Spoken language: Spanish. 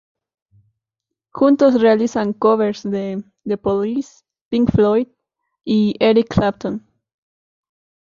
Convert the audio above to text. Juntos realizan covers de "The Police", "Pink Floyd" y Eric Clapton.